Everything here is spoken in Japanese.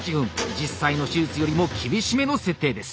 実際の手術よりも厳しめの設定です。